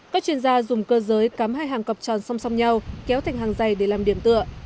các chuyên gia dùng cơ giới cắm hai hàng cọc tròn song song nhau kéo thành hàng dày để làm điểm tựa